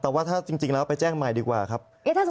แต่ว่าถ้าจริงแล้วไปแจ้งใหม่ดีกว่าครับ